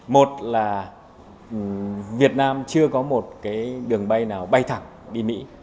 một là việt nam chưa có một cái đường bay nào bay thẳng đi mỹ